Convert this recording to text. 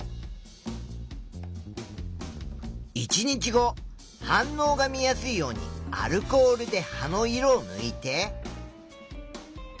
１日後反応が見やすいようにアルコールで葉の色をぬいて。